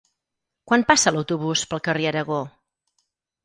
Quan passa l'autobús pel carrer Aragó?